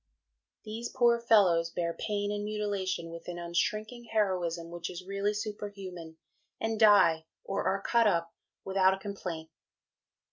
These poor fellows bear pain and mutilation with an unshrinking heroism which is really superhuman, and die, or are cut up without a complaint.